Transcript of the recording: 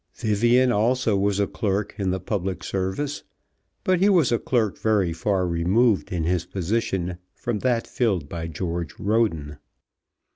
Vivian also was a clerk in the public service, but he was a clerk very far removed in his position from that filled by George Roden.